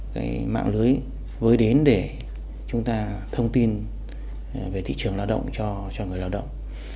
cái mạng lưới với đến để chúng ta thông tin về thị trường lao động cho người lao động